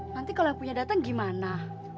nanti kalau punya dateng gimana